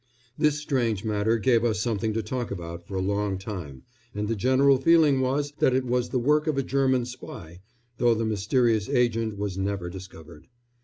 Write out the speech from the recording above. This strange matter gave us something to talk about for a long time, and the general feeling was that it was the work of a German spy, though the mysterious agent was never discovered.